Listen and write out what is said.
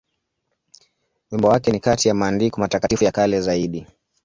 Wimbo wake ni kati ya maandiko matakatifu ya kale zaidi.